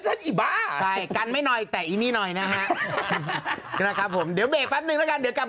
ชั้นอีบ๊าใช่กันไม่หน่อยแต่ผมนะนะครับผมใดเดี๋ยวไม่ฟันหนึ่งแล้วกัน